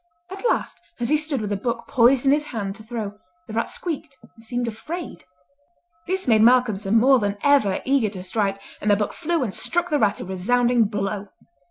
At last, as he stood with a book poised in his hand to throw, the rat squeaked and seemed afraid. This made Malcolmson more than ever eager to strike, and the book flew and struck the rat a resounding blow.